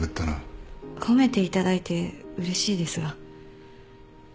褒めていただいてうれしいですが。